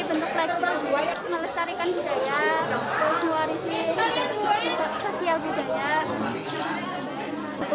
melestarikan budaya mengeluarkan sosial budaya